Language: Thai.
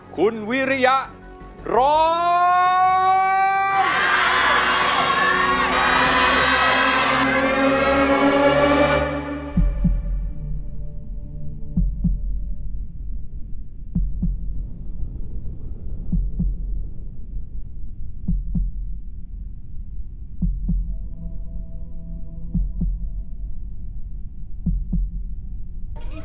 คุณวิริยะร้อง